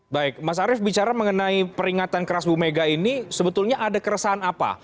baik mas arief bicara mengenai peringatan keras bu mega ini sebetulnya ada keresahan apa